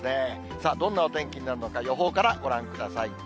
さあ、どんなお天気になるのか、予報からご覧ください。